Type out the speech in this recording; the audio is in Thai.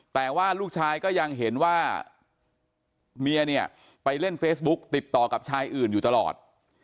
แต่ว่าลูกชายก็ยังเห็นว่าเมียเนี่ยไปเล่นเฟซบุ๊กติดต่อกับชายอื่นอยู่ตลอด